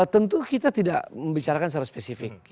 tentu kita tidak membicarakan secara spesifik